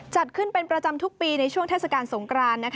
จัดขึ้นเป็นประจำทุกปีในช่วงเทศกาลสงคราน